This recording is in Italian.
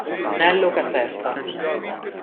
Nello Caserta